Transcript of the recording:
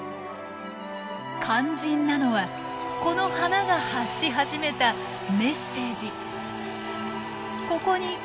肝心なのはこの花が発し始めたメッセージ。